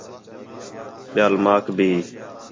ٻِیال ماک بھی